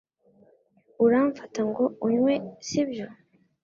Uramfata ngo unywe, sibyo?